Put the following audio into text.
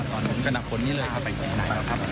ตอนนี้กระหนักผลนี้เลยครับไปที่ไหนครับ